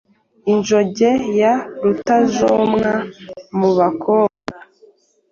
Injoge ya Rutajomwa mu Bakobwa”